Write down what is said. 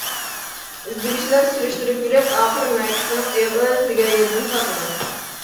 ئىزدىگۈچىلەر سۈرۈشتۈرۈپ يۈرۈپ ئاخىرى مەكىتنىڭ ئېغىز دېگەن يېرىدىن تاپىدۇ.